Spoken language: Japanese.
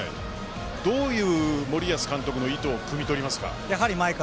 どういう森保監督の意図をくみ取りますか。